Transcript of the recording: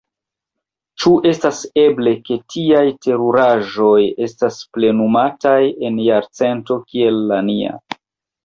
Ĉu estas eble, ke tiaj teruraĵoj estas plenumataj en jarcento kiel la nia!